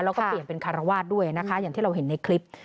แล้วก็เปลี่ยนเป็นคารวาสด้วยนะคะอย่างที่เราเห็นในคลิป